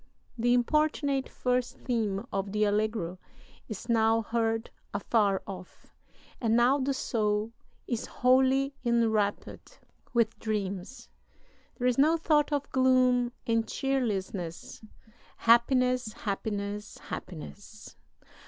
The importunate first theme of the allegro is now heard afar off, and now the soul is wholly enwrapped with dreams. There is no thought of gloom and cheerlessness. Happiness! Happiness! Happiness!...